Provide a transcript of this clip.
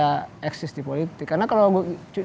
beresist di politik karena kalau